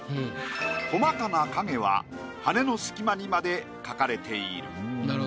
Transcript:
細かな影は羽の隙間にまで描かれている。